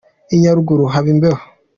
I Nyaruguru haba imbeho.